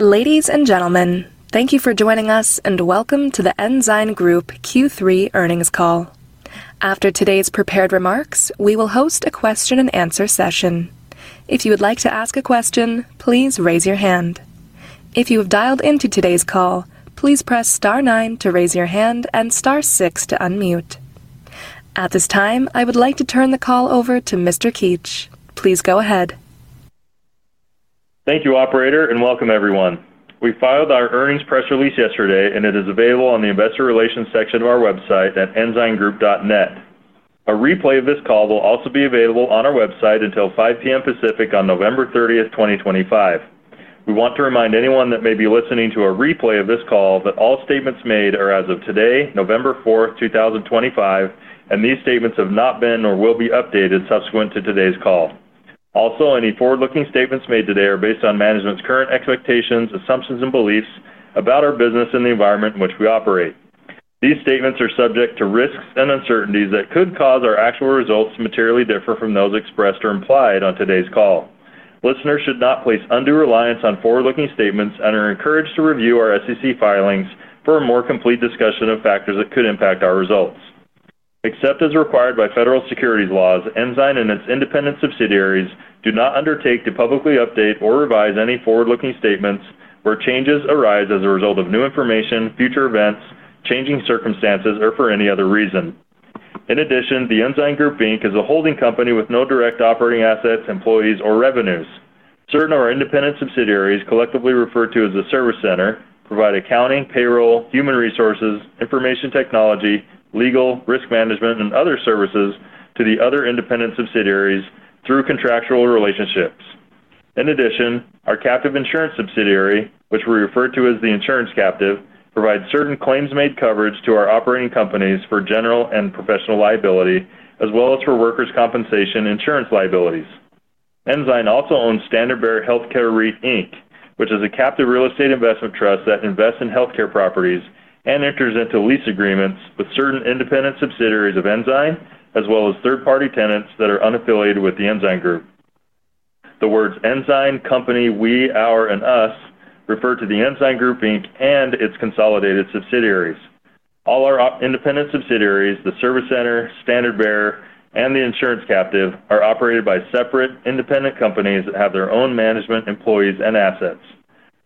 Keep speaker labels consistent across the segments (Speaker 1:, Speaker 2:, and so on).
Speaker 1: Ladies and gentlemen, thank you for joining us and welcome to the Ensign Group Q3 earnings call. After today's prepared remarks, we will host a question-and-answer session. If you would like to ask a question, please raise your hand. If you have dialed into today's call, please press star nine to raise your hand and star six to unmute. At this time, I would like to turn the call over to Mr. Keetch. Please go ahead.
Speaker 2: Thank you, Operator, and welcome, everyone. We filed our earnings press release yesterday, and it is available on the investor relations section of our website at ensigngroup.net. A replay of this call will also be available on our website until 5:00 P.M. Pacific on November 30th, 2025. We want to remind anyone that may be listening to a replay of this call that all statements made are as of today, November 4th, 2025, and these statements have not been or will be updated subsequent to today's call. Also, any forward-looking statements made today are based on management's current expectations, assumptions, and beliefs about our business and the environment in which we operate. These statements are subject to risks and uncertainties that could cause our actual results to materially differ from those expressed or implied on today's call. Listeners should not place undue reliance on forward-looking statements and are encouraged to review our SEC filings for a more complete discussion of factors that could impact our results. Except as required by federal securities laws, Ensign and its independent subsidiaries do not undertake to publicly update or revise any forward-looking statements where changes arise as a result of new information, future events, changing circumstances, or for any other reason. In addition, the Ensign Group Inc. is a holding company with no direct operating assets, employees, or revenues. Certain of our independent subsidiaries, collectively referred to as the service center, provide accounting, payroll, human resources, information technology, legal, risk management, and other services to the other independent subsidiaries through contractual relationships. In addition, our captive insurance subsidiary, which we refer to as the insurance captive, provides certain claims-made coverage to our operating companies for general and professional liability, as well as for workers' compensation insurance liabilities. Ensign also owns Standard Bearer Healthcare REIT, Inc., which is a captive real estate investment trust that invests in healthcare properties and enters into lease agreements with certain independent subsidiaries of Ensign, as well as third-party tenants that are unaffiliated with the Ensign Group. The words "Ensign," "Company," "We," "Our," and "Us" refer to the Ensign Group Inc. and its consolidated subsidiaries. All our independent subsidiaries, the service center, Standard Bearer, and the insurance captive, are operated by separate independent companies that have their own management, employees, and assets.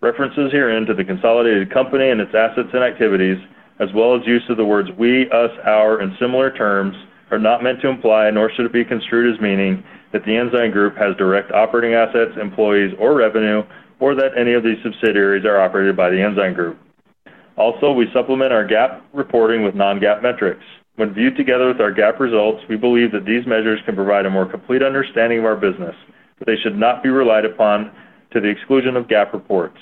Speaker 2: References herein to the consolidated company and its assets and activities, as well as use of the words "We," "Us," "Our," and similar terms, are not meant to imply nor should it be construed as meaning that the Ensign Group has direct operating assets, employees, or revenue, or that any of these subsidiaries are operated by the Ensign Group. Also, we supplement our GAAP reporting with non-GAAP metrics. When viewed together with our GAAP results, we believe that these measures can provide a more complete understanding of our business, but they should not be relied upon to the exclusion of GAAP reports.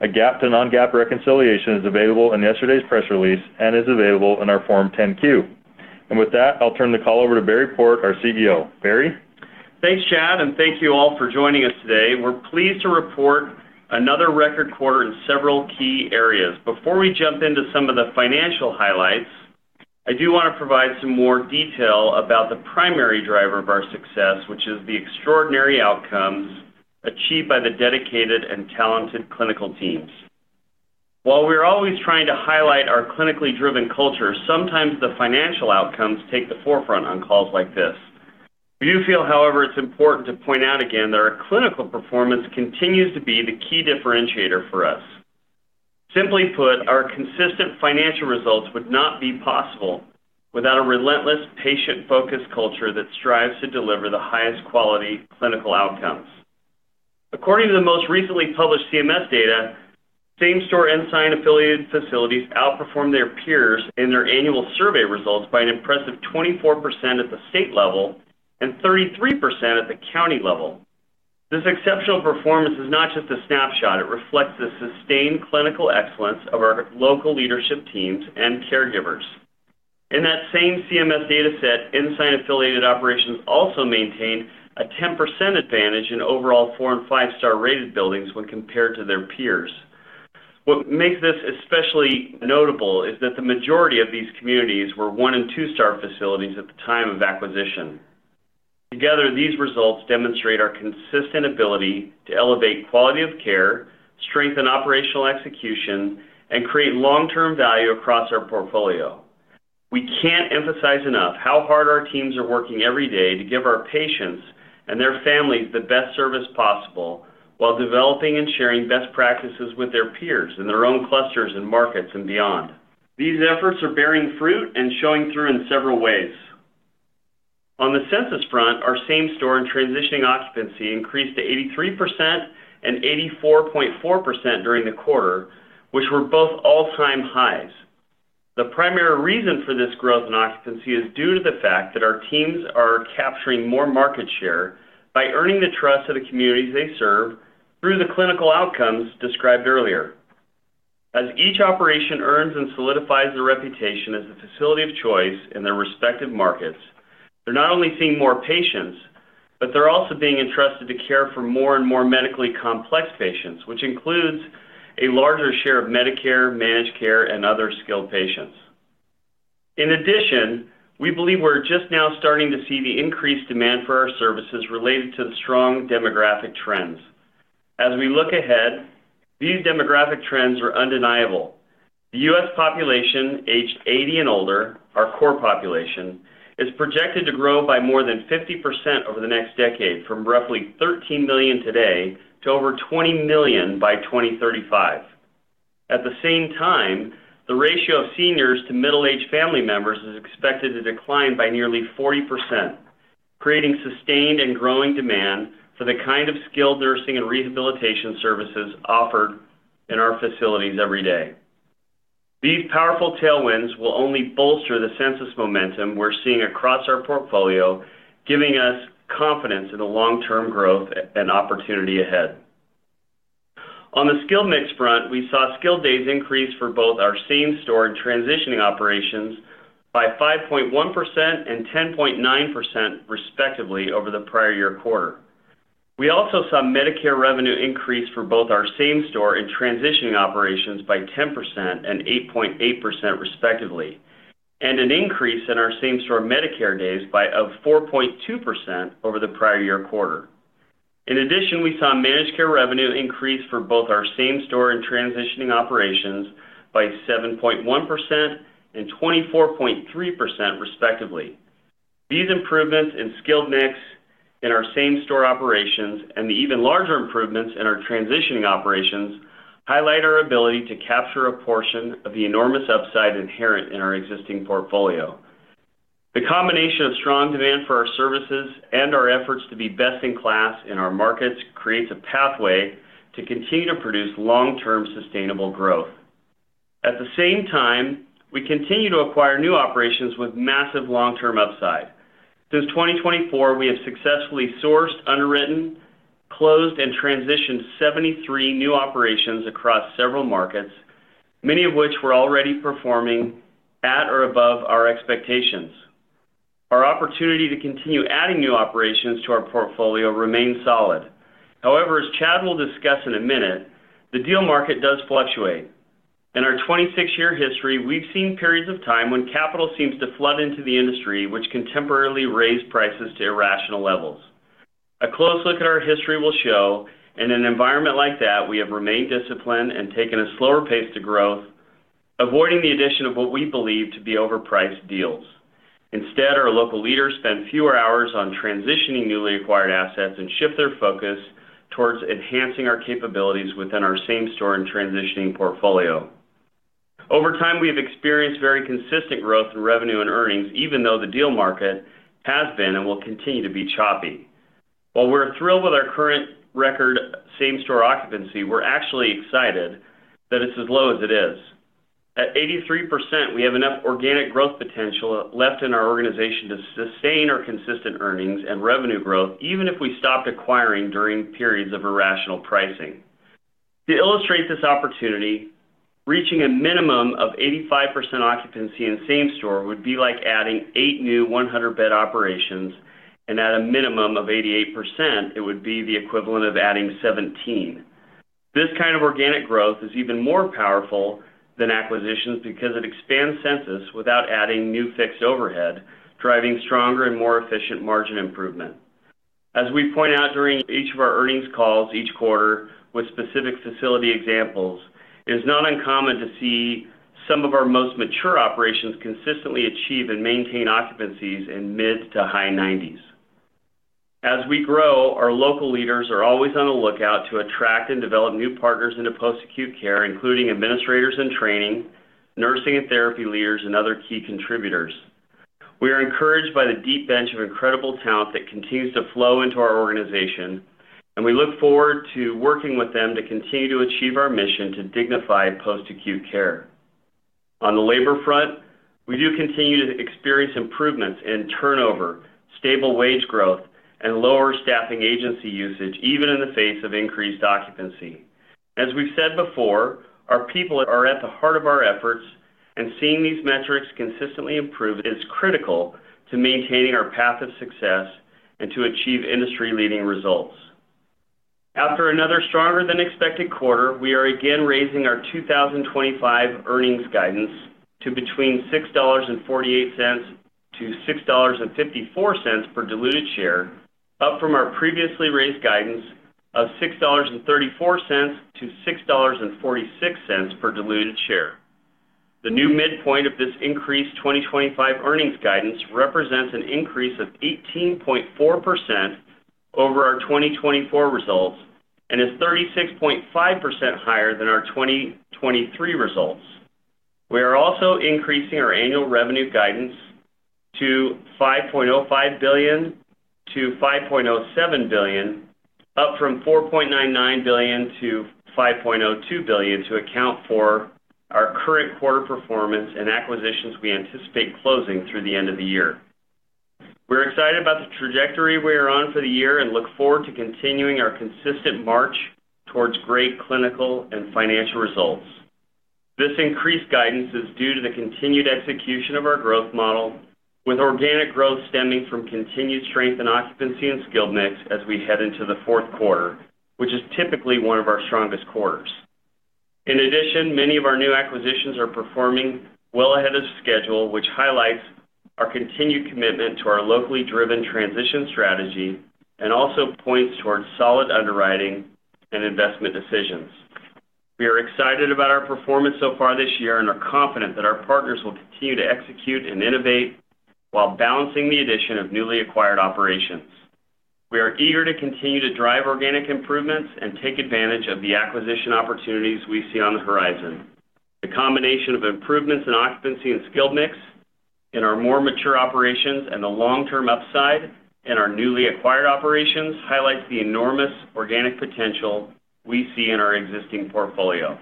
Speaker 2: A GAAP to non-GAAP reconciliation is available in yesterday's press release and is available in our Form 10-Q. And with that, I'll turn the call over to Barry Port, our CEO. Barry?
Speaker 3: Thanks, Chad, and thank you all for joining us today. We're pleased to report another record quarter in several key areas. Before we jump into some of the financial highlights, I do want to provide some more detail about the primary driver of our success, which is the extraordinary outcomes achieved by the dedicated and talented clinical teams. While we're always trying to highlight our clinically driven culture, sometimes the financial outcomes take the forefront on calls like this. We do feel, however, it's important to point out again that our clinical performance continues to be the key differentiator for us. Simply put, our consistent financial results would not be possible without a relentless, patient-focused culture that strives to deliver the highest quality clinical outcomes. According to the most recently published CMS data, Same-Store Ensign-affiliated facilities outperformed their peers in their annual survey results by an impressive 24% at the state level and 33% at the county level. This exceptional performance is not just a snapshot. It reflects the sustained clinical excellence of our local leadership teams and caregivers. In that same CMS dataset, Ensign-affiliated operations also maintained a 10% advantage in overall four and five-star rated buildings when compared to their peers. What makes this especially notable is that the majority of these communities were one and two-star facilities at the time of acquisition. Together, these results demonstrate our consistent ability to elevate quality of care, strengthen operational execution, and create long-term value across our portfolio. We can't emphasize enough how hard our teams are working every day to give our patients and their families the best service possible while developing and sharing best practices with their peers in their own clusters and markets and beyond. These efforts are bearing fruit and showing through in several ways. On the census front, our Same-Store and transitioning occupancy increased to 83% and 84.4% during the quarter, which were both all-time highs. The primary reason for this growth in occupancy is due to the fact that our teams are capturing more market share by earning the trust of the communities they serve through the clinical outcomes described earlier. As each operation earns and solidifies their reputation as the facility of choice in their respective markets, they're not only seeing more patients, but they're also being entrusted to care for more and more medically complex patients, which includes a larger share of Medicare, managed care, and other skilled patients. In addition, we believe we're just now starting to see the increased demand for our services related to the strong demographic trends. As we look ahead, these demographic trends are undeniable. The U.S. population, aged 80 and older, our core population, is projected to grow by more than 50% over the next decade, from roughly 13 million today to over 20 million by 2035. At the same time, the ratio of seniors to middle-aged family members is expected to decline by nearly 40%. Creating sustained and growing demand for the kind of skilled nursing and rehabilitation services offered in our facilities every day. These powerful tailwinds will only bolster the census momentum we're seeing across our portfolio, giving us confidence in the long-term growth and opportunity ahead. On the skilled mix front, we saw skilled days increase for both our Same-Store and transitioning operations by 5.1% and 10.9%, respectively, over the prior year quarter. We also saw Medicare revenue increase for both our Same-Store and transitioning operations by 10% and 8.8%, respectively, and an increase in our Same-Store Medicare days by 4.2% over the prior year quarter. In addition, we saw managed care revenue increase for both our Same-Store and transitioning operations by 7.1% and 24.3%, respectively. These improvements in skilled mix in our Same-Store operations and the even larger improvements in our transitioning operations highlight our ability to capture a portion of the enormous upside inherent in our existing portfolio. The combination of strong demand for our services and our efforts to be best in class in our markets creates a pathway to continue to produce long-term sustainable growth. At the same time, we continue to acquire new operations with massive long-term upside. Since 2024, we have successfully sourced, underwritten, closed, and transitioned 73 new operations across several markets, many of which were already performing at or above our expectations. Our opportunity to continue adding new operations to our portfolio remains solid. However, as Chad will discuss in a minute, the deal market does fluctuate. In our 26-year history, we've seen periods of time when capital seems to flood into the industry, which can temporarily raise prices to irrational levels. A close look at our history will show, in an environment like that, we have remained disciplined and taken a slower pace to growth, avoiding the addition of what we believe to be overpriced deals. Instead, our local leaders spend fewer hours on transitioning newly acquired assets and shift their focus towards enhancing our capabilities within our Same-Store and transitioning portfolio. Over time, we have experienced very consistent growth in revenue and earnings, even though the deal market has been and will continue to be choppy. While we're thrilled with our current record Same-Store occupancy, we're actually excited that it's as low as it is. At 83%, we have enough organic growth potential left in our organization to sustain our consistent earnings and revenue growth, even if we stopped acquiring during periods of irrational pricing. To illustrate this opportunity, reaching a minimum of 85% occupancy in Same-Store would be like adding eight new 100-bed operations, and at a minimum of 88%, it would be the equivalent of adding 17. This kind of organic growth is even more powerful than acquisitions because it expands census without adding new fixed overhead, driving stronger and more efficient margin improvement. As we point out during each of our earnings calls each quarter with specific facility examples, it is not uncommon to see some of our most mature operations consistently achieve and maintain occupancies in mid to high 90s. As we grow, our local leaders are always on the lookout to attract and develop new partners into post-acute care, including administrators in training, nursing and therapy leaders, and other key contributors. We are encouraged by the deep bench of incredible talent that continues to flow into our organization, and we look forward to working with them to continue to achieve our mission to dignify post-acute care. On the labor front, we do continue to experience improvements in turnover, stable wage growth, and lower staffing agency usage, even in the face of increased occupancy. As we've said before, our people are at the heart of our efforts, and seeing these metrics consistently improve is critical to maintaining our path of success and to achieve industry-leading results. After another stronger-than-expected quarter, we are again raising our 2025 earnings guidance to between $6.48-$6.54 per diluted share, up from our previously raised guidance of $6.34-$6.46 per diluted share. The new midpoint of this increased 2025 earnings guidance represents an increase of 18.4% over our 2024 results and is 36.5% higher than our 2023 results. We are also increasing our annual revenue guidance to $5.05 billion-$5.07 billion, up from $4.99 billion-$5.02 billion to account for our current quarter performance and acquisitions we anticipate closing through the end of the year. We're excited about the trajectory we are on for the year and look forward to continuing our consistent march towards great clinical and financial results. This increased guidance is due to the continued execution of our growth model, with organic growth stemming from continued strength in occupancy and skilled mix as we head into the fourth quarter, which is typically one of our strongest quarters. In addition, many of our new acquisitions are performing well ahead of schedule, which highlights our continued commitment to our locally driven transition strategy and also points towards solid underwriting and investment decisions. We are excited about our performance so far this year and are confident that our partners will continue to execute and innovate while balancing the addition of newly acquired operations. We are eager to continue to drive organic improvements and take advantage of the acquisition opportunities we see on the horizon. The combination of improvements in occupancy and skilled mix in our more mature operations and the long-term upside in our newly acquired operations highlights the enormous organic potential we see in our existing portfolio.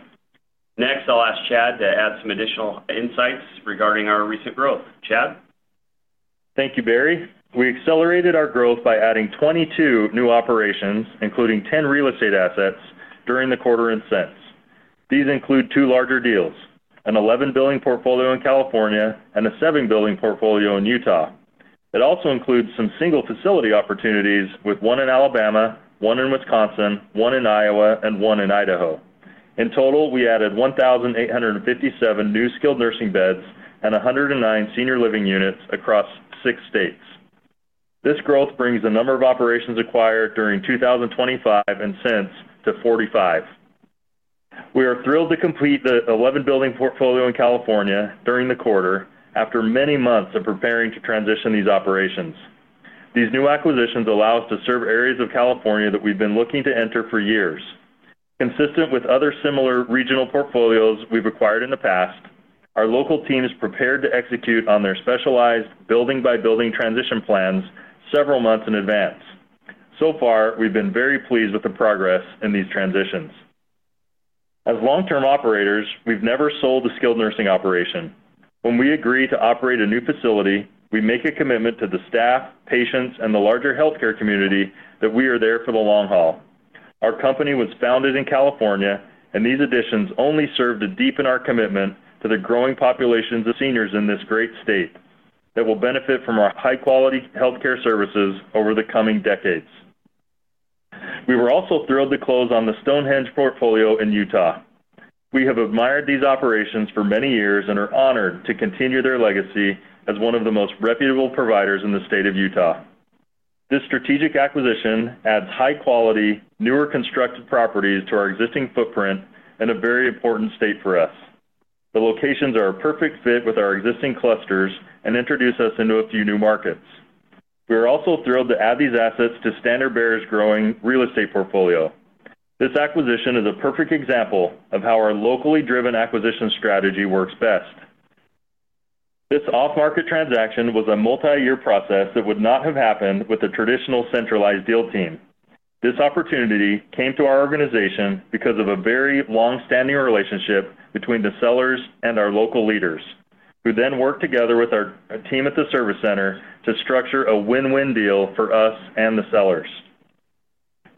Speaker 3: Next, I'll ask Chad to add some additional insights regarding our recent growth. Chad?
Speaker 2: Thank you, Barry. We accelerated our growth by adding 22 new operations, including 10 real estate assets, during the quarter in Q3. These include two larger deals, an 11-building portfolio in California and a 7-building portfolio in Utah. It also includes some single facility opportunities, with one in Alabama, one in Wisconsin, one in Iowa, and one in Idaho. In total, we added 1,857 new skilled nursing beds and 109 senior living units across six states. This growth brings the number of operations acquired during 2025 and since to 45. We are thrilled to complete the 11-building portfolio in California during the quarter after many months of preparing to transition these operations. These new acquisitions allow us to serve areas of California that we've been looking to enter for years. Consistent with other similar regional portfolios we've acquired in the past, our local team is prepared to execute on their specialized building-by-building transition plans several months in advance. So far, we've been very pleased with the progress in these transitions. As long-term operators, we've never sold a skilled nursing operation. When we agree to operate a new facility, we make a commitment to the staff, patients, and the larger healthcare community that we are there for the long haul. Our company was founded in California, and these additions only serve to deepen our commitment to the growing populations of seniors in this great state that will benefit from our high-quality healthcare services over the coming decades. We were also thrilled to close on the Stonehenge portfolio in Utah. We have admired these operations for many years and are honored to continue their legacy as one of the most reputable providers in the state of Utah. This strategic acquisition adds high-quality, newer constructed properties to our existing footprint in a very important state for us. The locations are a perfect fit with our existing clusters and introduce us into a few new markets. We are also thrilled to add these assets to Standard Bearer's growing real estate portfolio. This acquisition is a perfect example of how our locally driven acquisition strategy works best. This off-market transaction was a multi-year process that would not have happened with a traditional centralized deal team. This opportunity came to our organization because of a very long-standing relationship between the sellers and our local leaders, who then worked together with our team at the service center to structure a win-win deal for us and the sellers.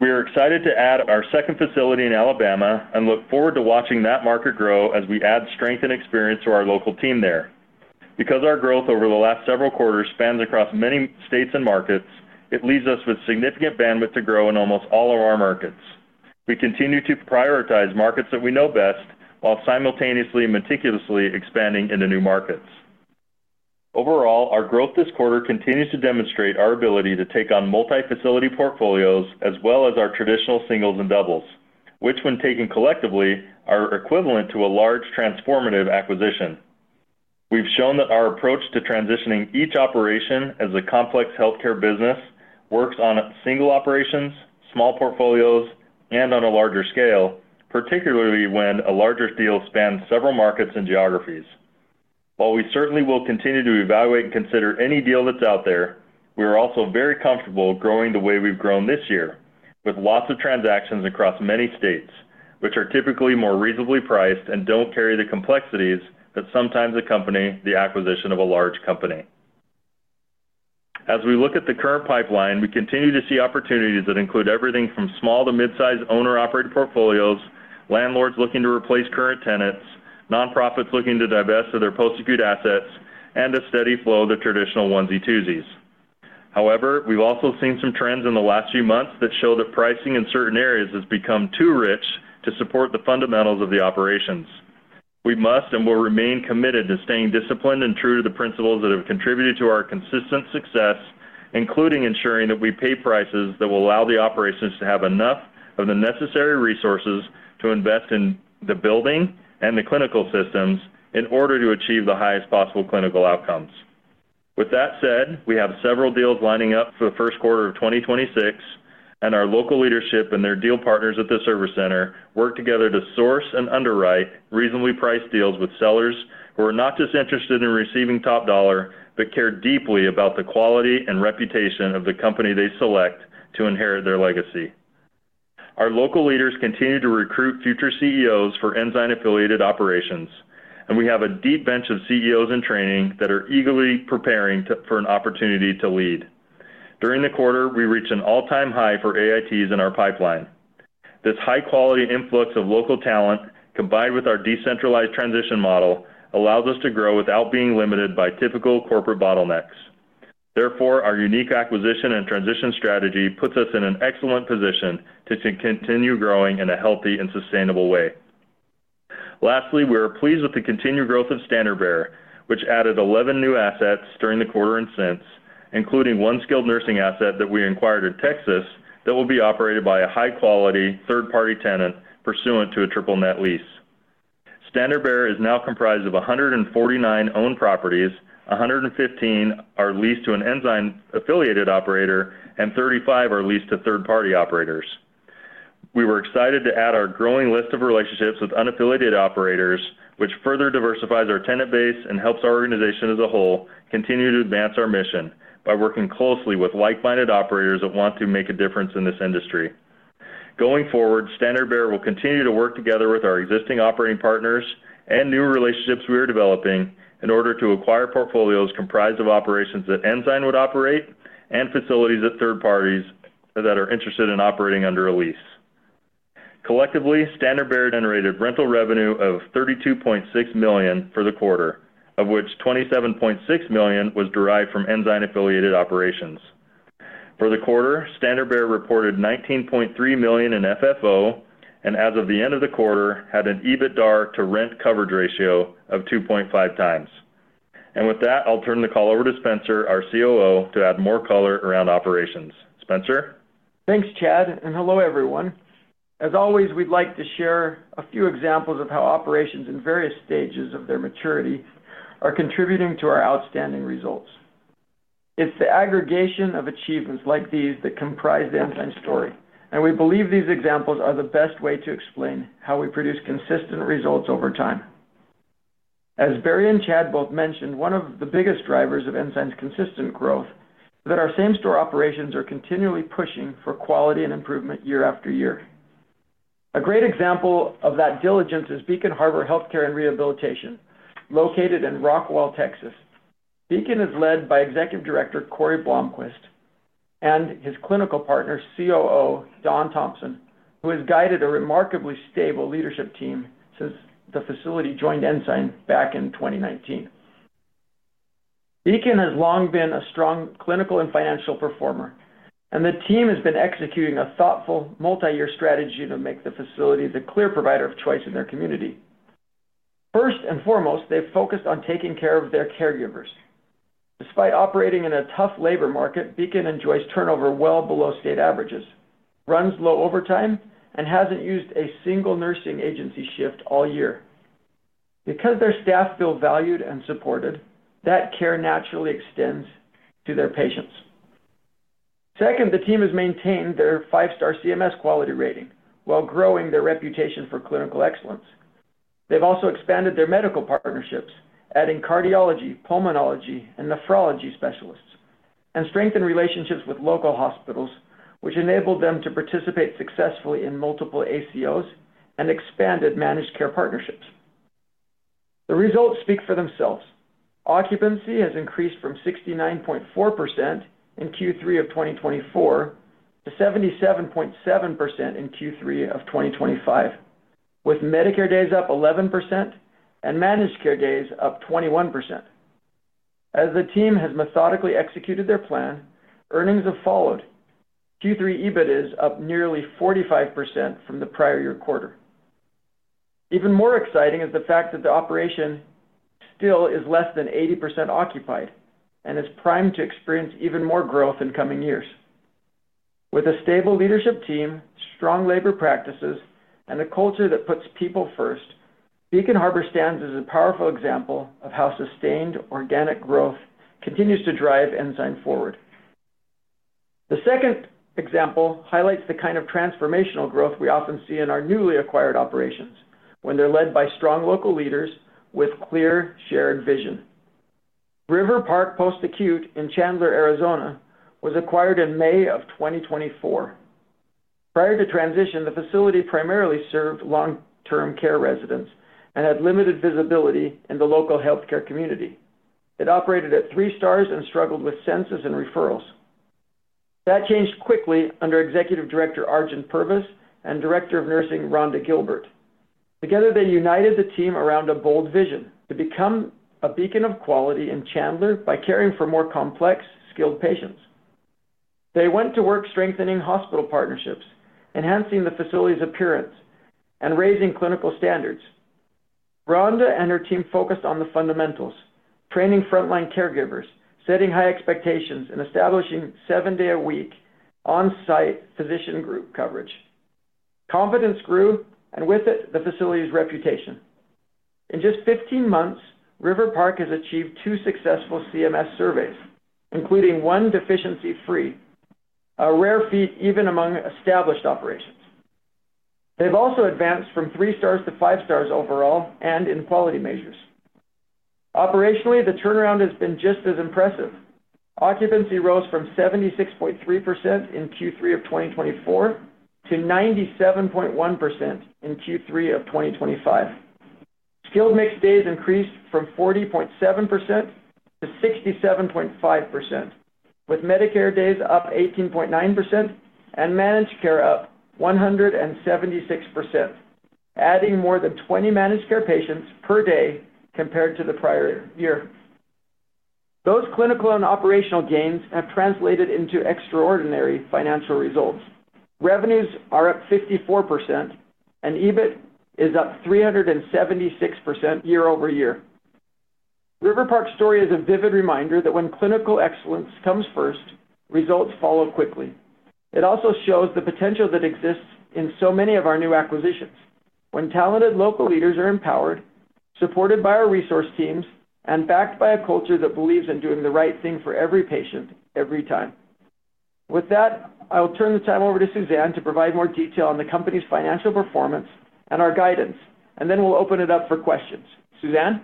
Speaker 2: We are excited to add our second facility in Alabama and look forward to watching that market grow as we add strength and experience to our local team there. Because our growth over the last several quarters spans across many states and markets, it leaves us with significant bandwidth to grow in almost all of our markets. We continue to prioritize markets that we know best while simultaneously meticulously expanding into new markets. Overall, our growth this quarter continues to demonstrate our ability to take on multi-facility portfolios as well as our traditional singles and doubles, which, when taken collectively, are equivalent to a large transformative acquisition. We've shown that our approach to transitioning each operation as a complex healthcare business works on single operations, small portfolios, and on a larger scale, particularly when a larger deal spans several markets and geographies. While we certainly will continue to evaluate and consider any deal that's out there, we are also very comfortable growing the way we've grown this year, with lots of transactions across many states, which are typically more reasonably priced and don't carry the complexities that sometimes accompany the acquisition of a large company. As we look at the current pipeline, we continue to see opportunities that include everything from small to mid-sized owner-operated portfolios, landlords looking to replace current tenants, nonprofits looking to divest of their post-acute assets, and a steady flow of the traditional onesie-twosies. However, we've also seen some trends in the last few months that show that pricing in certain areas has become too rich to support the fundamentals of the operations. We must and will remain committed to staying disciplined and true to the principles that have contributed to our consistent success, including ensuring that we pay prices that will allow the operations to have enough of the necessary resources to invest in the building and the clinical systems in order to achieve the highest possible clinical outcomes. With that said, we have several deals lining up for the first quarter of 2026, and our local leadership and their deal partners at the service center work together to source and underwrite reasonably priced deals with sellers who are not just interested in receiving top dollar, but care deeply about the quality and reputation of the company they select to inherit their legacy. Our local leaders continue to recruit future CEOs for Ensign-affiliated operations, and we have a deep bench of CEOs in training that are eagerly preparing for an opportunity to lead. During the quarter, we reached an all-time high for AITs in our pipeline. This high-quality influx of local talent, combined with our decentralized transition model, allows us to grow without being limited by typical corporate bottlenecks. Therefore, our unique acquisition and transition strategy puts us in an excellent position to continue growing in a healthy and sustainable way. Lastly, we are pleased with the continued growth of Standard Bearer, which added 11 new assets during the quarter including one skilled nursing asset that we acquired in Texas that will be operated by a high-quality third-party tenant pursuant to a triple-net lease. Standard Bearer is now comprised of 149 owned properties, 115 are leased to an Ensign-affiliated operator, and 35 are leased to third-party operators. We were excited to add our growing list of relationships with unaffiliated operators, which further diversifies our tenant base and helps our organization as a whole continue to advance our mission by working closely with like-minded operators that want to make a difference in this industry. Going forward, Standard Bearer will continue to work together with our existing operating partners and new relationships we are developing in order to acquire portfolios comprised of operations that Ensign would operate and facilities that third parties that are interested in operating under a lease. Collectively, Standard Bearer generated rental revenue of $32.6 million for the quarter, of which $27.6 million was derived from Ensign-affiliated operations. For the quarter, Standard Bearer reported $19.3 million in FFO, and as of the end of the quarter, had an EBITDA to rent coverage ratio of 2.5x. And with that, I'll turn the call over to Spencer, our COO, to add more color around operations. Spencer?
Speaker 4: Thanks, Chad, and hello, everyone. As always, we'd like to share a few examples of how operations in various stages of their maturity are contributing to our outstanding results. It's the aggregation of achievements like these that comprise the Ensign story, and we believe these examples are the best way to explain how we produce consistent results over time. As Barry and Chad both mentioned, one of the biggest drivers of Ensign's consistent growth is that our same-store operations are continually pushing for quality and improvement year after year. A great example of that diligence is Beacon Harbor Healthcare and Rehabilitation, located in Rockwall, Texas. Beacon is led by Executive Director Cory Blomquist and his clinical partner, COO Don Thompson, who has guided a remarkably stable leadership team since the facility joined Ensign back in 2019. Beacon has long been a strong clinical and financial performer, and the team has been executing a thoughtful multi-year strategy to make the facility the clear provider of choice in their community. First and foremost, they've focused on taking care of their caregivers. Despite operating in a tough labor market, Beacon enjoys turnover well below state averages, runs low overtime, and hasn't used a single nursing agency shift all year. Because their staff feel valued and supported, that care naturally extends to their patients. Second, the team has maintained their five-star CMS quality rating while growing their reputation for clinical excellence. They've also expanded their medical partnerships, adding cardiology, pulmonology, and nephrology specialists, and strengthened relationships with local hospitals, which enabled them to participate successfully in multiple ACOs and expanded managed care partnerships. The results speak for themselves. Occupancy has increased from 69.4% in Q3 of 2024 to 77.7% in Q3 of 2025, with Medicare days up 11% and managed care days up 21%. As the team has methodically executed their plan, earnings have followed. Q3 EBIT is up nearly 45% from the prior year quarter. Even more exciting is the fact that the operation still is less than 80% occupied and is primed to experience even more growth in coming years. With a stable leadership team, strong labor practices, and a culture that puts people first, Beacon Harbor stands as a powerful example of how sustained organic growth continues to drive Ensign forward. The second example highlights the kind of transformational growth we often see in our newly acquired operations when they're led by strong local leaders with clear shared vision. River Park Post Acute in Chandler, Arizona, was acquired in May of 2024. Prior to transition, the facility primarily served long-term care residents and had limited visibility in the local healthcare community. It operated at three stars and struggled with census and referrals. That changed quickly under Executive Director Arjun Purvis and Director of Nursing Rhonda Gilbert. Together, they united the team around a bold vision to become a beacon of quality in Chandler by caring for more complex, skilled patients. They went to work strengthening hospital partnerships, enhancing the facility's appearance, and raising clinical standards. Rhonda and her team focused on the fundamentals: training frontline caregivers, setting high expectations, and establishing seven-day-a-week on-site physician group coverage. Confidence grew, and with it, the facility's reputation. In just 15 months, River Park has achieved two successful CMS surveys, including one deficiency-free, a rare feat even among established operations. They've also advanced from three stars to five stars overall and in quality measures. Operationally, the turnaround has been just as impressive. Occupancy rose from 76.3% in Q3 of 2024 to 97.1% in Q3 of 2025. Skilled mixed days increased from 40.7% to 67.5%, with Medicare days up 18.9% and managed care up 176%, adding more than 20 managed care patients per day compared to the prior year. Those clinical and operational gains have translated into extraordinary financial results. Revenues are up 54%, and EBIT is up 376% year over year. River Park's story is a vivid reminder that when clinical excellence comes first, results follow quickly. It also shows the potential that exists in so many of our new acquisitions when talented local leaders are empowered, supported by our resource teams, and backed by a culture that believes in doing the right thing for every patient every time. With that, I'll turn the time over to Suzanne to provide more detail on the company's financial performance and our guidance, and then we'll open it up for questions. Suzanne?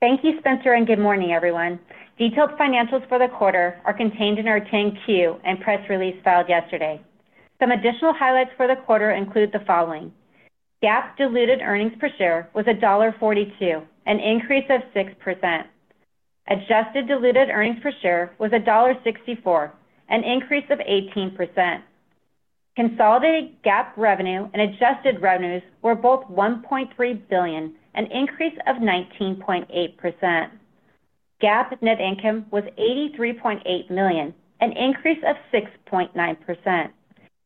Speaker 5: Thank you, Spencer, and good morning, everyone. Detailed financials for the quarter are contained in our 10-Q and press release filed yesterday. Some additional highlights for the quarter include the following. GAAP diluted earnings per share was $1.42, an increase of 6%. Adjusted diluted earnings per share was $1.64, an increase of 18%. Consolidated GAAP revenue and adjusted revenues were both $1.3 billion, an increase of 19.8%. GAAP net income was $83.8 million, an increase of 6.9%.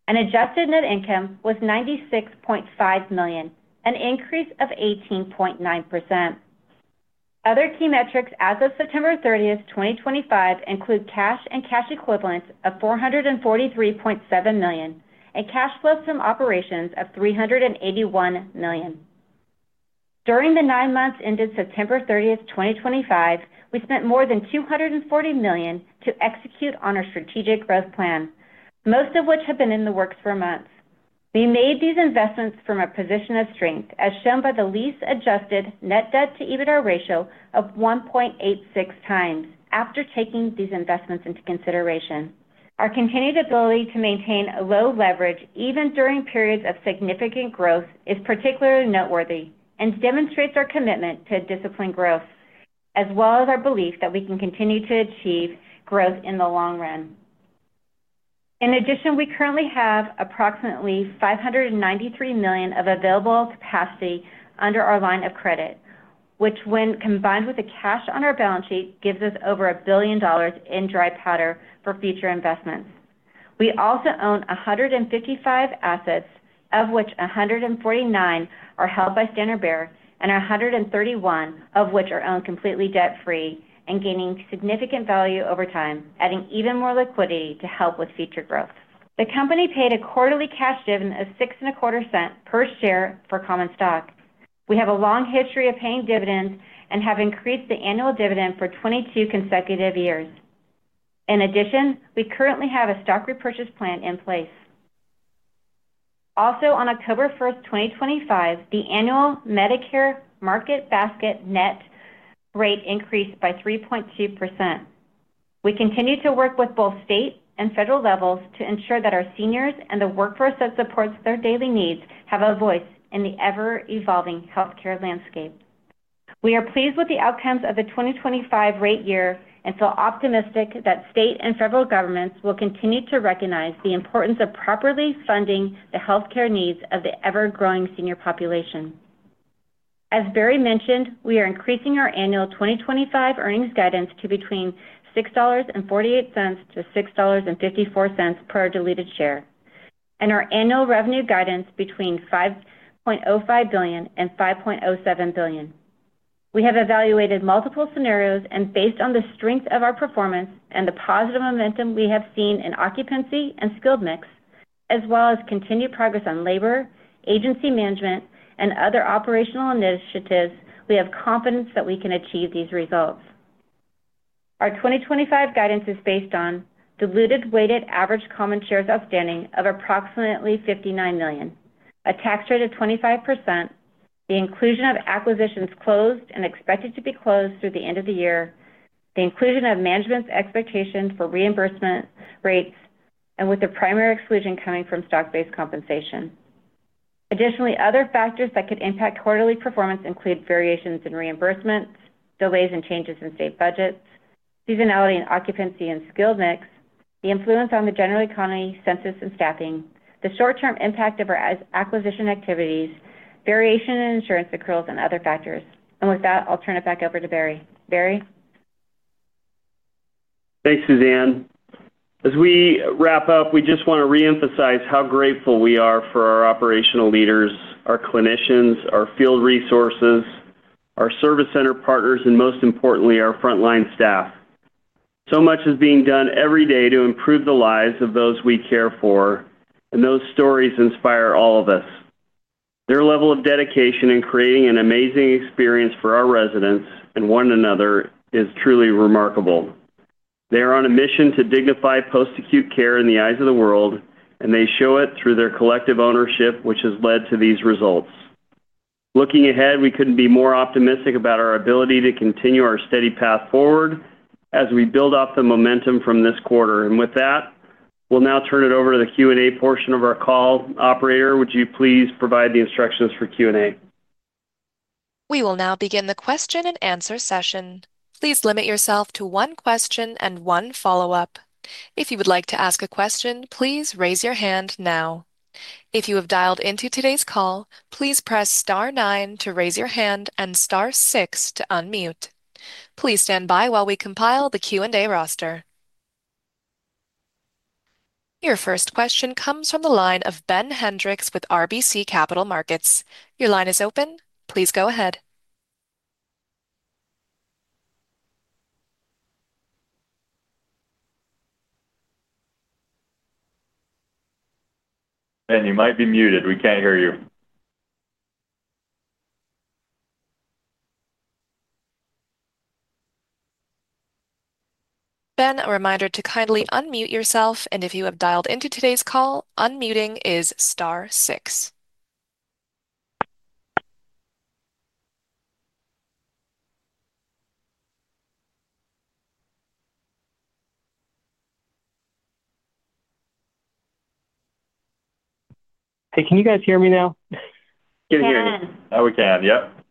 Speaker 5: Adjusted net income was $96.5 million, an increase of 18.9%. Other key metrics as of September 30th, 2025, include cash and cash equivalents of $443.7 million and cash flows from operations of $381 million. During the nine months ended September 30th, 2025, we spent more than $240 million to execute on our strategic growth plan, most of which had been in the works for months. We made these investments from a position of strength, as shown by the lease-adjusted net debt-to-EBITDA ratio of 1.86x after taking these investments into consideration. Our continued ability to maintain low leverage even during periods of significant growth is particularly noteworthy and demonstrates our commitment to disciplined growth, as well as our belief that we can continue to achieve growth in the long run. In addition, we currently have approximately $593 million of available capacity under our line of credit, which, when combined with the cash on our balance sheet, gives us over $1 billion in dry powder for future investments. We also own 155 assets, of which 149 are held by Standard Bearer and 131 of which are owned completely debt-free and gaining significant value over time, adding even more liquidity to help with future growth. The company paid a quarterly cash dividend of $0.0625 per share for common stock. We have a long history of paying dividends and have increased the annual dividend for 22 consecutive years. In addition, we currently have a stock repurchase plan in place. Also, on October 1st, 2025, the annual Medicare market basket net rate increased by 3.2%. We continue to work with both state and federal levels to ensure that our seniors and the workforce that supports their daily needs have a voice in the ever-evolving healthcare landscape. We are pleased with the outcomes of the 2025 rate year and feel optimistic that state and federal governments will continue to recognize the importance of properly funding the healthcare needs of the ever-growing senior population. As Barry mentioned, we are increasing our annual 2025 earnings guidance to between $6.48-$6.54 per diluted share and our annual revenue guidance between $5.05 billion and $5.07 billion. We have evaluated multiple scenarios and, based on the strength of our performance and the positive momentum we have seen in occupancy and skilled mix, as well as continued progress on labor, agency management, and other operational initiatives, we have confidence that we can achieve these results. Our 2025 guidance is based on diluted weighted average common shares outstanding of approximately 59 million, a tax rate of 25%, the inclusion of acquisitions closed and expected to be closed through the end of the year, the inclusion of management's expectation for reimbursement rates, and with the primary exclusion coming from stock-based compensation. Additionally, other factors that could impact quarterly performance include variations in reimbursements, delays and changes in state budgets, seasonality in occupancy and skilled mix, the influence on the general economy, census, and staffing, the short-term impact of our acquisition activities, variation in insurance accruals, and other factors. And with that, I'll turn it back over to Barry. Barry?
Speaker 3: Thanks, Suzanne. As we wrap up, we just want to re-emphasize how grateful we are for our operational leaders, our clinicians, our field resources, our service center partners, and most importantly, our frontline staff. So much is being done every day to improve the lives of those we care for, and those stories inspire all of us. Their level of dedication in creating an amazing experience for our residents and one another is truly remarkable. They are on a mission to dignify post-acute care in the eyes of the world, and they show it through their collective ownership, which has led to these results. Looking ahead, we couldn't be more optimistic about our ability to continue our steady path forward as we build up the momentum from this quarter. And with that, we'll now turn it over to the Q&A portion of our call. Operator, would you please provide the instructions for Q&A?
Speaker 1: We will now begin the question-and-answer session. Please limit yourself to one question and one follow-up. If you would like to ask a question, please raise your hand now. If you have dialed into today's call, please press star nine to raise your hand and star six to unmute. Please stand by while we compile the Q&A roster. Your first question comes from the line of Ben Hendrix with RBC Capital Markets. Your line is open. Please go ahead.
Speaker 3: Ben, you might be muted. We can't hear you.
Speaker 1: Ben, a reminder to kindly unmute yourself. And if you have dialed into today's call, unmuting is star six.
Speaker 6: Hey, can you guys hear me now?
Speaker 2: Yes.
Speaker 3: Good hearing you. We can. Yep.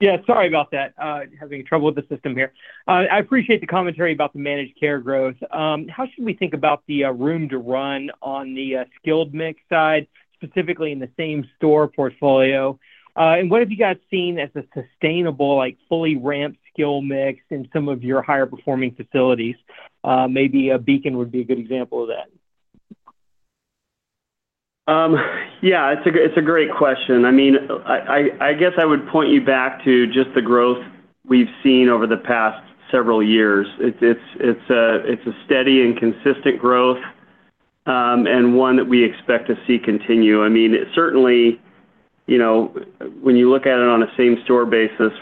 Speaker 6: Yeah. Sorry about that. Having trouble with the system here. I appreciate the commentary about the managed care growth. How should we think about the room to run on the skilled mix side, specifically in the same-store portfolio? And what have you guys seen as a sustainable, fully-ramped skilled mix in some of your higher-performing facilities? Maybe a Beacon would be a good example of that.
Speaker 3: Yeah. It's a great question. I mean, I guess I would point you back to just the growth we've seen over the past several years. It's a steady and consistent growth, and one that we expect to see continue. I mean, certainly, when you look at it on a same-store basis,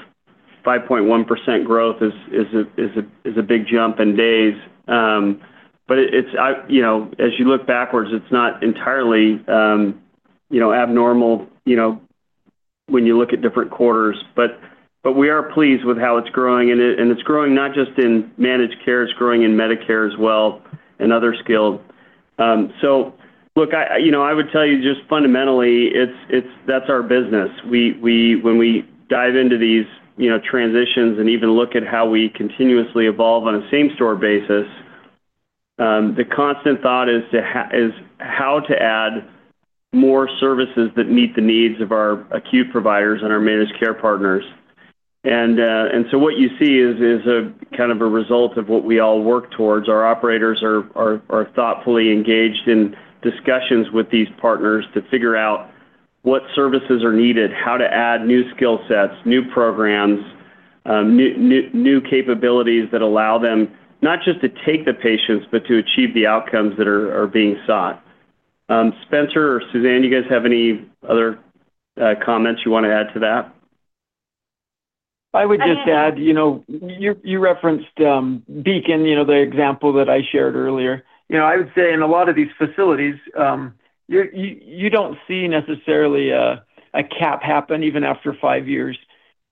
Speaker 3: 5.1% growth is a big jump in days, but as you look backwards, it's not entirely abnormal when you look at different quarters, but we are pleased with how it's growing, and it's growing not just in managed care, it's growing in Medicare as well and other skilled, so look, I would tell you just fundamentally, that's our business. When we dive into these transitions and even look at how we continuously evolve on a same-store basis, the constant thought is how to add more services that meet the needs of our acute providers and our managed care partners, and so what you see is kind of a result of what we all work towards. Our operators are thoughtfully engaged in discussions with these partners to figure out what services are needed, how to add new skill sets, new programs, new capabilities that allow them not just to take the patients, but to achieve the outcomes that are being sought. Spencer or Suzanne, do you guys have any other comments you want to add to that?
Speaker 4: I would just add. You referenced Beacon, the example that I shared earlier. I would say in a lot of these facilities. You don't see necessarily a cap happen even after five years.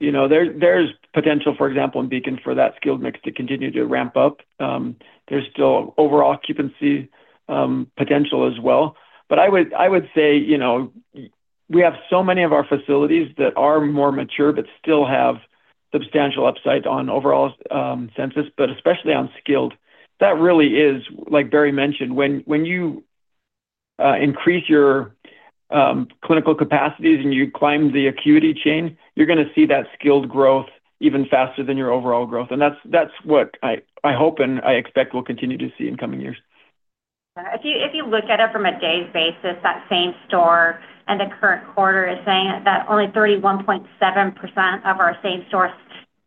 Speaker 4: There's potential, for example, in Beacon for that skilled mix to continue to ramp up. There's still overall occupancy potential as well. But I would say, we have so many of our facilities that are more mature but still have substantial upside on overall census, but especially on skilled. That really is, like Barry mentioned, when you increase your clinical capacities and you climb the acuity chain, you're going to see that skilled growth even faster than your overall growth, and that's what I hope and I expect we'll continue to see in coming years.
Speaker 5: If you look at it from a day's basis, that same-store and the current quarter is saying that only 31.7% of our same-store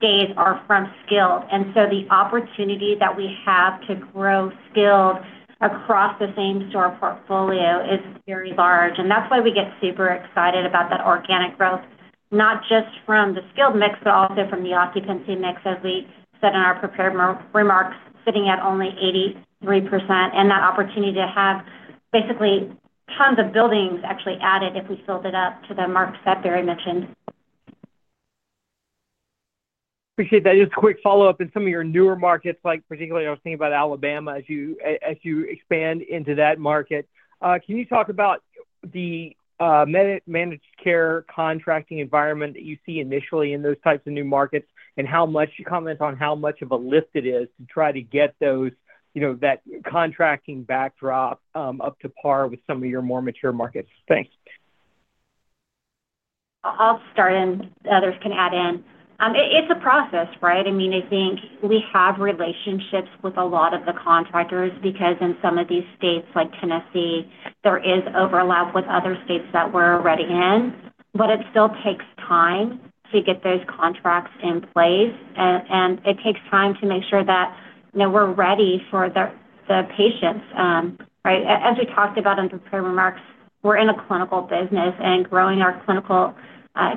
Speaker 5: days are from skilled. And so the opportunity that we have to grow skilled across the same-store portfolio is very large. And that's why we get super excited about that organic growth, not just from the skilled mix, but also from the occupancy mix, as we said in our prepared remarks, sitting at only 83%. And that opportunity to have basically tons of buildings actually added if we filled it up to the marks that Barry mentioned.
Speaker 6: Appreciate that. Just a quick follow-up. In some of your newer markets, particularly, I was thinking about Alabama as you expand into that market. Can you talk about the managed care contracting environment that you see initially in those types of new markets and how much you comment on how much of a lift it is to try to get that contracting backdrop up to par with some of your more mature markets? Thanks.
Speaker 5: I'll start and others can add in. It's a process, right? I mean, I think we have relationships with a lot of the contractors because in some of these states like Tennessee, there is overlap with other states that we're already in. But it still takes time to get those contracts in place. And it takes time to make sure that we're ready for the patients, right? As we talked about in the prepared remarks, we're in a clinical business, and growing our clinical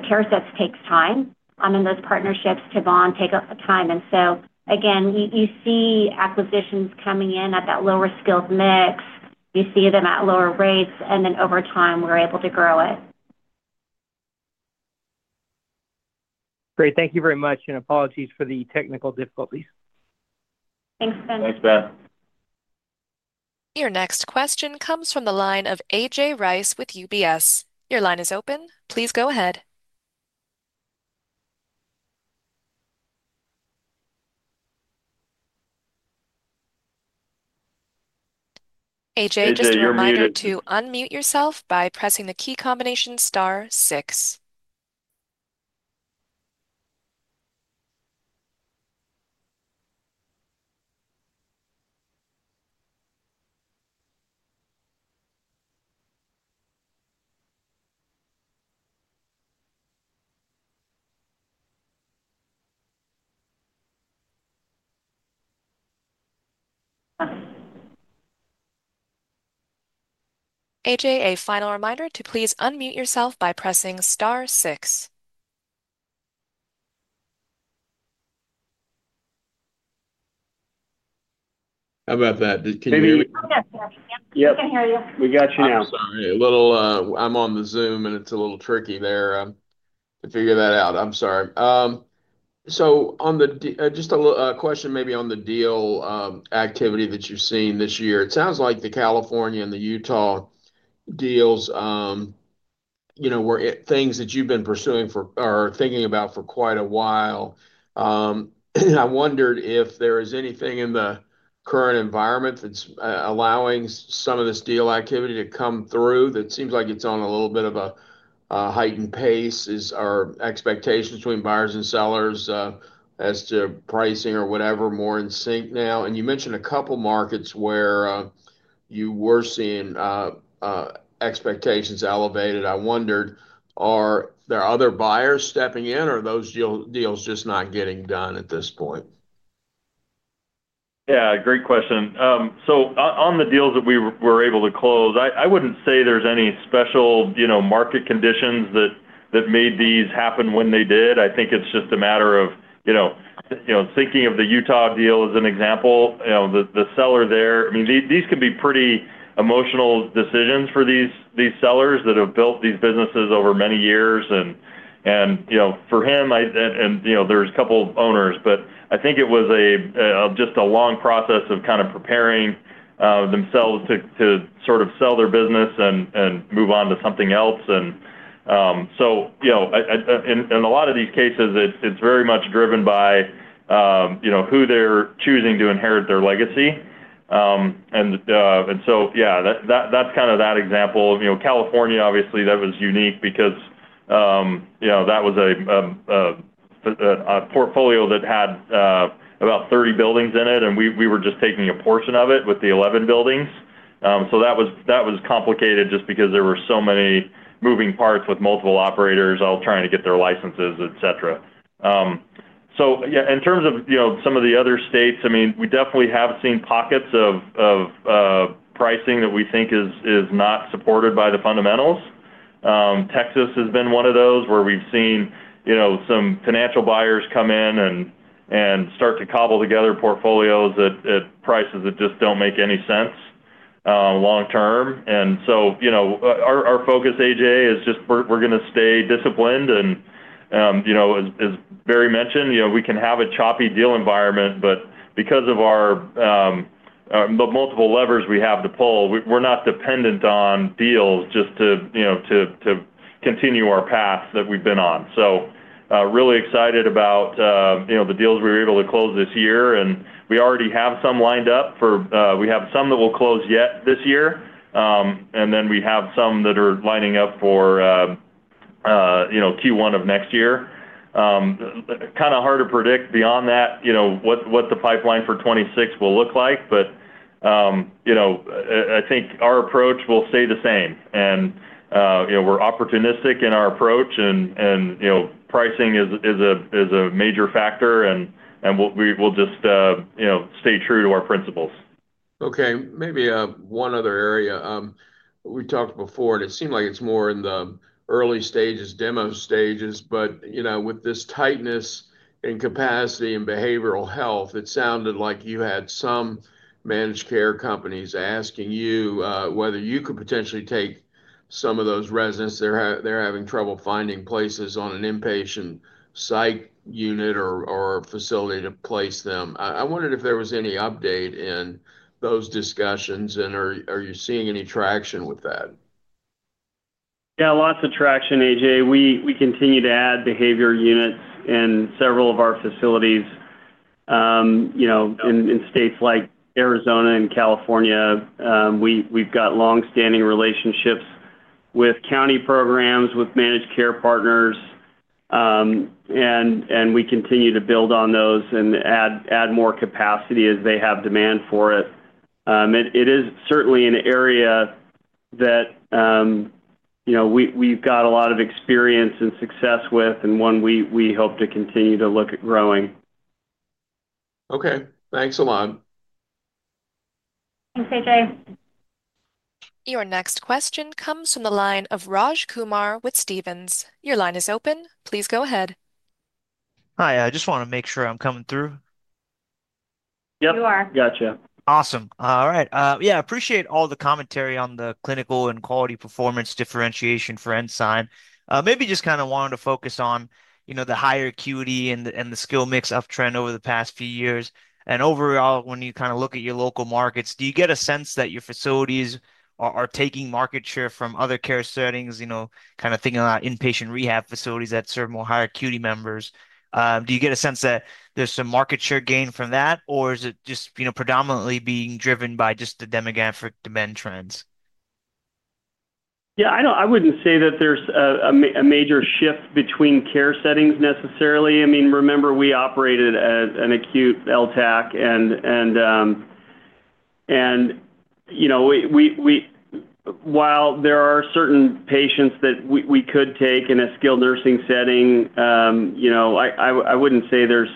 Speaker 5: care sets takes time. I mean, those partnerships take a time. And so, again, you see acquisitions coming in at that lower skilled mix. You see them at lower rates. And then over time, we're able to grow it.
Speaker 6: Great. Thank you very much. And apologies for the technical difficulties.
Speaker 5: Thanks, Ben.
Speaker 3: Thanks, Ben.
Speaker 1: Your next question comes from the line of A.J. Rice with UBS. Your line is open. Please go ahead. A.J., just a reminder to unmute yourself by pressing the key combination star six. A.J., a final reminder to please unmute yourself by pressing star six.
Speaker 7: How about that? Can you hear me?
Speaker 5: Yes, sir. We can hear you.
Speaker 3: We got you now.
Speaker 7: I'm sorry. I'm on the Zoom, and it's a little tricky there to figure that out. I'm sorry. So just a question maybe on the deal activity that you've seen this year. It sounds like the California and the Utah deals were things that you've been pursuing or thinking about for quite a while. And I wondered if there is anything in the current environment that's allowing some of this deal activity to come through. It seems like it's on a little bit of a heightened pace. Are expectations between buyers and sellers as to pricing or whatever more in sync now? And you mentioned a couple of markets where you were seeing expectations elevated. I wondered, are there other buyers stepping in, or are those deals just not getting done at this point?
Speaker 4: Yeah. Great question. So on the deals that we were able to close, I wouldn't say there's any special market conditions that made these happen when they did. I think it's just a matter of thinking of the Utah deal as an example. The seller there, I mean, these can be pretty emotional decisions for these sellers that have built these businesses over many years. And for him, and there's a couple of owners, but I think it was just a long process of kind of preparing themselves to sort of sell their business and move on to something else. And so in a lot of these cases, it's very much driven by who they're choosing to inherit their legacy. And so, yeah, that's kind of that example. California, obviously, that was unique because that was a portfolio that had about 30 buildings in it, and we were just taking a portion of it with the 11 buildings. So that was complicated just because there were so many moving parts with multiple operators all trying to get their licenses, etc. So in terms of some of the other states, I mean, we definitely have seen pockets of pricing that we think is not supported by the fundamentals. Texas has been one of those where we've seen some financial buyers come in and start to cobble together portfolios at prices that just don't make any sense long-term. And so our focus, A.J., is just we're going to stay disciplined. And as Barry mentioned, we can have a choppy deal environment, but because of the multiple levers we have to pull, we're not dependent on deals just to continue our path that we've been on. So really excited about the deals we were able to close this year. And we already have some lined up. We have some that will close yet this year. And then we have some that are lining up for Q1 of next year. Kind of hard to predict beyond that what the pipeline for 2026 will look like. But I think our approach will stay the same. And we're opportunistic in our approach. And pricing is a major factor. And we'll just. Stay true to our principles.
Speaker 7: Okay. Maybe one other area. We talked before, and it seemed like it's more in the early stages, demo stages. But with this tightness in capacity and behavioral health, it sounded like you had some managed care companies asking you whether you could potentially take some of those residents. They're having trouble finding places on an inpatient psych unit or facility to place them. I wondered if there was any update in those discussions, and are you seeing any traction with that?
Speaker 3: Yeah. Lots of traction, A.J. We continue to add behavioral units in several of our facilities, in states like Arizona and California. We've got long-standing relationships with county programs, with managed care partners. And we continue to build on those and add more capacity as they have demand for it. It is certainly an area that we've got a lot of experience and success with, and one we hope to continue to look at growing.
Speaker 7: Okay. Thanks a lot.
Speaker 5: Thanks, A.J.
Speaker 1: Your next question comes from the line of Raj Kumar with Stephens. Your line is open. Please go ahead.
Speaker 8: Hi. I just want to make sure I'm coming through.
Speaker 3: Yep.
Speaker 5: You are.
Speaker 3: Gotcha.
Speaker 8: Awesome. All right. Yeah. Appreciate all the commentary on the clinical and quality performance differentiation for Ensign. Maybe just kind of wanted to focus on the higher acuity and the skilled mix uptrend over the past few years. And overall, when you kind of look at your local markets, do you get a sense that your facilities are taking market share from other care settings, kind of thinking about inpatient rehab facilities that serve more higher acuity members? Do you get a sense that there's some market share gain from that, or is it just predominantly being driven by just the demographic demand trends?
Speaker 3: Yeah. I wouldn't say that there's a major shift between care settings necessarily. I mean, remember, we operated at an acute LTAC, and. While there are certain patients that we could take in a skilled nursing setting. I wouldn't say there's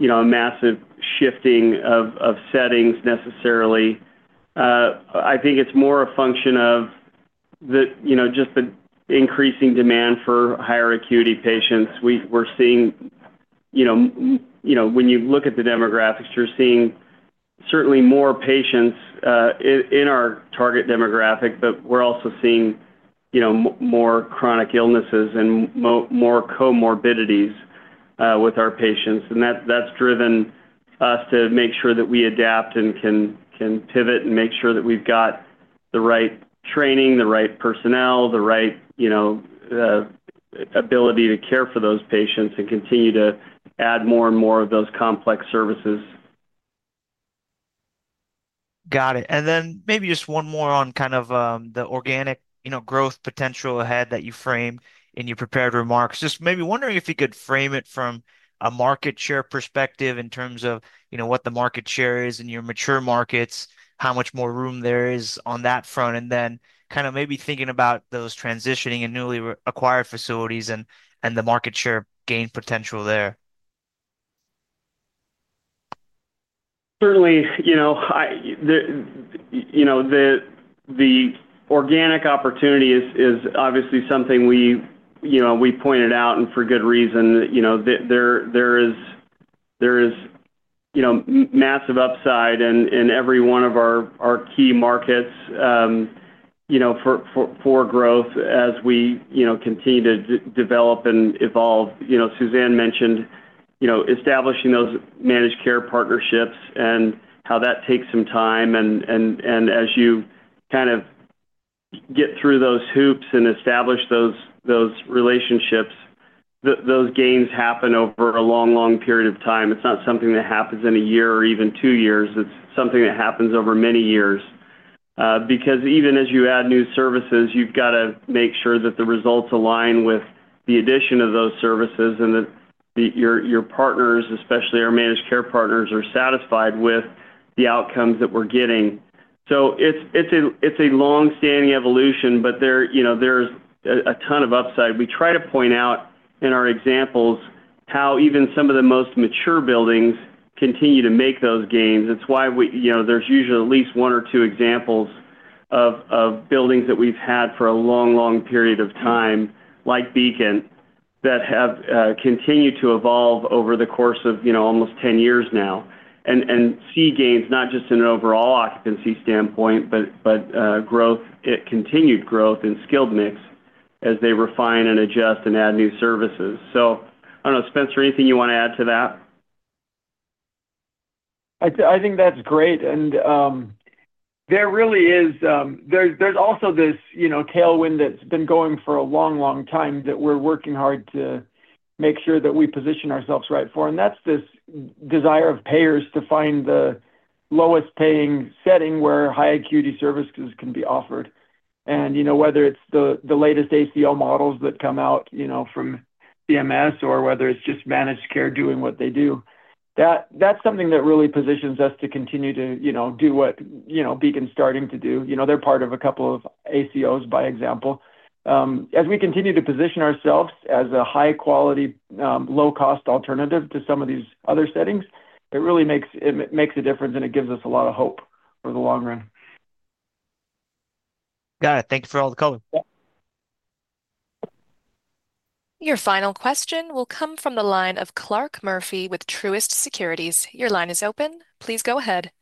Speaker 3: a massive shifting of settings necessarily. I think it's more a function of. Just the increasing demand for higher acuity patients. We're seeing. When you look at the demographics, you're seeing certainly more patients. In our target demographic, but we're also seeing. More chronic illnesses and more comorbidities with our patients. And that's driven us to make sure that we adapt and can pivot and make sure that we've got the right training, the right personnel, the right. Ability to care for those patients, and continue to add more and more of those complex services.
Speaker 8: Got it. And then maybe just one more on kind of the organic growth potential ahead that you framed in your prepared remarks. Just maybe wondering if you could frame it from a market share perspective in terms of what the market share is in your mature markets, how much more room there is on that front, and then kind of maybe thinking about those transitioning and newly acquired facilities and the market share gain potential there.
Speaker 3: Certainly. The organic opportunity is obviously something we pointed out, and for good reason. There is massive upside in every one of our key markets for growth as we continue to develop and evolve. Suzanne mentioned establishing those managed care partnerships and how that takes some time, and as you kind of get through those hoops and establish those relationships, those gains happen over a long, long period of time. It's not something that happens in a year or even two years. It's something that happens over many years. Because even as you add new services, you've got to make sure that the results align with the addition of those services and that your partners, especially our managed care partners, are satisfied with the outcomes that we're getting. So it's a long-standing evolution, but there's a ton of upside. We try to point out in our examples how even some of the most mature buildings continue to make those gains. It's why there's usually at least one or two examples of buildings that we've had for a long, long period of time, like Beacon, that have continued to evolve over the course of almost 10 years now and see gains, not just in an overall occupancy standpoint, but continued growth in skilled mix as they refine and adjust and add new services. So I don't know, Spencer, anything you want to add to that?
Speaker 4: I think that's great, and there really is also this tailwind that's been going for a long, long time that we're working hard to make sure that we position ourselves right for, and that's this desire of payers to find the lowest-paying setting where high-acuity services can be offered. And whether it's the latest ACO models that come out from CMS or whether it's just managed care doing what they do, that's something that really positions us to continue to do what Beacon's starting to do. They're part of a couple of ACOs by example. As we continue to position ourselves as a high-quality, low-cost alternative to some of these other settings, it really makes a difference, and it gives us a lot of hope for the long run.
Speaker 8: Got it. Thank you for all the color.
Speaker 1: Your final question will come from the line of Clark Murphy with Truist Securities. Your line is open. Please go ahead.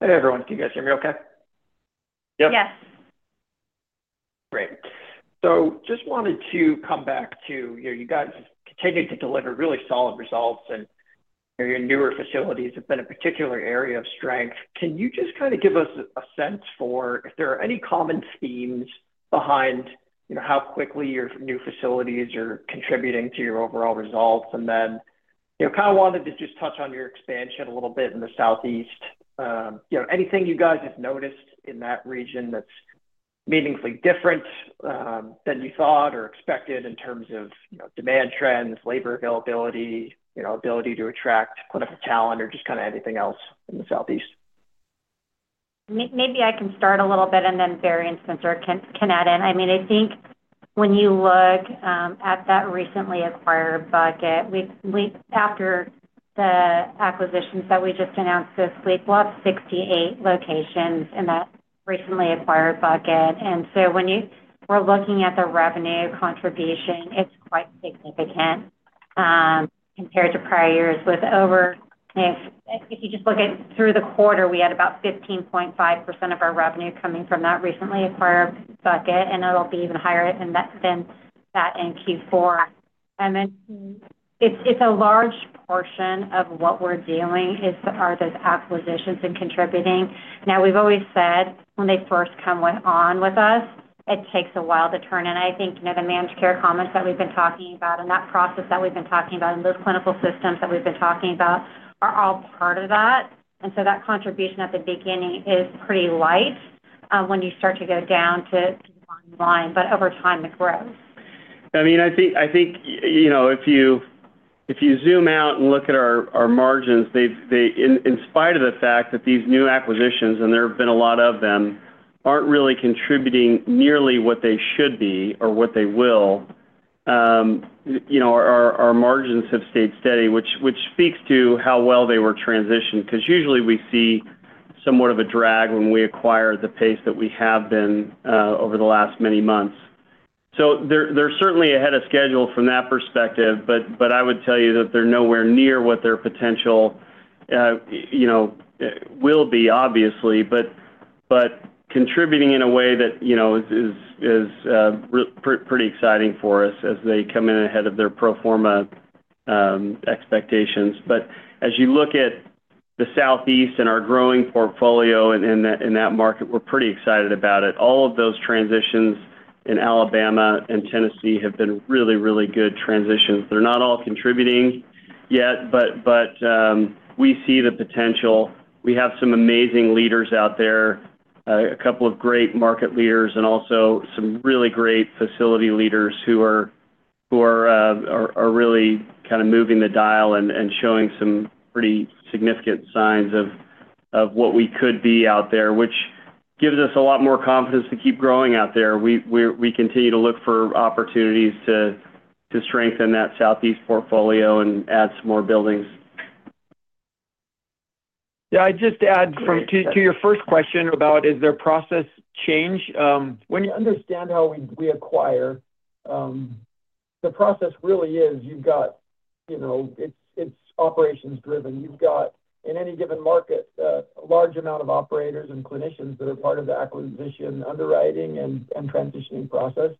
Speaker 9: Hey, everyone. Can you guys hear me okay?
Speaker 3: Yep.
Speaker 5: Yes.
Speaker 9: Great. So just wanted to come back to you guys continue to deliver really solid results, and your newer facilities have been a particular area of strength. Can you just kind of give us a sense for if there are any common themes behind how quickly your new facilities are contributing to your overall results? And then, kind of wanted to just touch on your expansion a little bit in the Southeast. Anything you guys have noticed in that region that's meaningfully different than you thought or expected in terms of demand trends, labor availability, ability to attract clinical talent, or just kind of anything else in the Southeast?
Speaker 5: Maybe I can start a little bit, and then Barry and Spencer can add in. I mean, I think when you look at that recently acquired bucket, after the acquisitions that we just announced this week, we'll have 68 locations in that recently acquired bucket. So when we're looking at the revenue contribution, it's quite significant compared to prior years. If you just look at through the quarter, we had about 15.5% of our revenue coming from that recently acquired bucket, and it'll be even higher than that in Q4. It's a large portion of what we're doing are those acquisitions and contributing. Now, we've always said when they first come on with us, it takes a while to turn, and I think the managed care comments that we've been talking about and that process that we've been talking about and those clinical systems that we've been talking about are all part of that. So that contribution at the beginning is pretty light when you start to go down to one line, but over time, it grows.
Speaker 3: I mean, I think if you zoom out and look at our margins, in spite of the fact that these new acquisitions, and there have been a lot of them, aren't really contributing nearly what they should be or what they will. Our margins have stayed steady, which speaks to how well they were transitioned because usually we see somewhat of a drag when we acquire at the pace that we have been over the last many months. So they're certainly ahead of schedule from that perspective, but I would tell you that they're nowhere near what their potential will be, obviously, but contributing in a way that is pretty exciting for us as they come in ahead of their pro forma expectations, but as you look at the Southeast and our growing portfolio in that market, we're pretty excited about it. All of those transitions in Alabama and Tennessee have been really, really good transitions. They're not all contributing yet, but we see the potential. We have some amazing leaders out there, a couple of great market leaders, and also some really great facility leaders who are really kind of moving the dial and showing some pretty significant signs of what we could be out there, which gives us a lot more confidence to keep growing out there. We continue to look for opportunities to strengthen that Southeast portfolio and add some more buildings.
Speaker 4: Yeah, I'd just add to your first question about, is there a process change? When you understand how we acquire, the process really is you've got it's operations-driven. You've got, in any given market, a large amount of operators and clinicians that are part of the acquisition, underwriting, and transitioning process,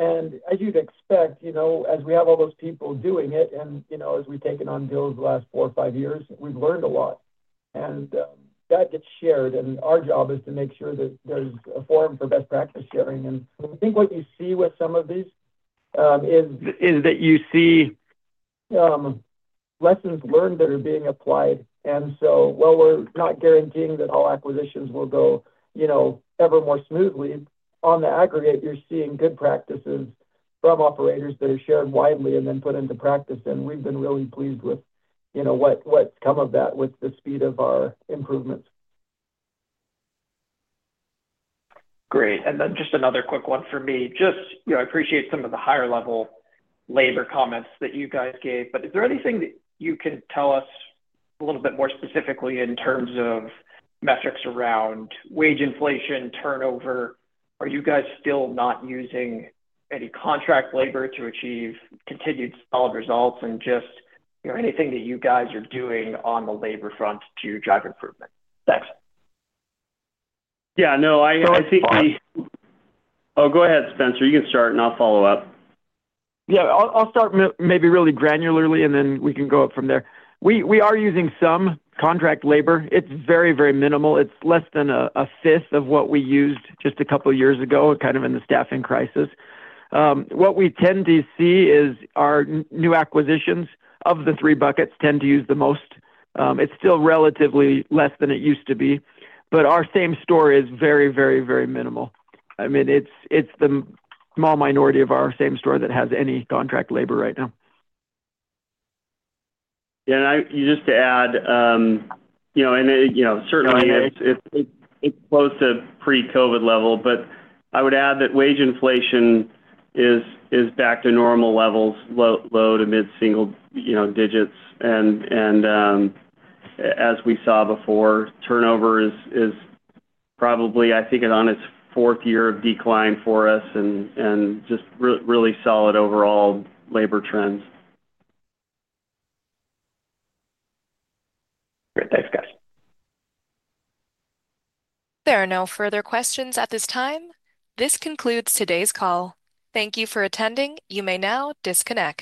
Speaker 4: and as you'd expect, as we have all those people doing it and as we've taken on deals the last four or five years, we've learned a lot, and that gets shared, and our job is to make sure that there's a forum for best practice sharing, and I think what you see with some of these is that you see lessons learned that are being applied, and so while we're not guaranteeing that all acquisitions will go ever more smoothly, on the aggregate, you're seeing good practices from operators that are shared widely and then put into practice, and we've been really pleased with what's come of that with the speed of our improvements.
Speaker 9: Great. And then just another quick one for me. I appreciate some of the higher-level labor comments that you guys gave, but is there anything that you can tell us a little bit more specifically in terms of metrics around wage inflation, turnover? Are you guys still not using any contract labor to achieve continued solid results and just anything that you guys are doing on the labor front to drive improvement? Thanks.
Speaker 3: Yeah. No, I think we. Go ahead, Spencer. You can start, and I'll follow up.
Speaker 4: Yeah. I'll start maybe really granularly, and then we can go up from there. We are using some contract labor. It's very, very minimal. It's less than a fifth of what we used just a couple of years ago kind of in the staffing crisis. What we tend to see is our new acquisitions of the three buckets tend to use the most. It's still relatively less than it used to be, but our same store is very, very, very minimal. I mean, it's the small minority of our same store that has any contract labor right now.
Speaker 3: Yeah. And just to add. And certainly. It's close to pre-COVID level, but I would add that wage inflation is back to normal levels, low to mid-single digits. As we saw before, turnover is probably, I think, on its fourth year of decline for us and just really solid overall labor trends.
Speaker 9: Great. Thanks, guys.
Speaker 1: There are no further questions at this time. This concludes today's call. Thank you for attending. You may now disconnect.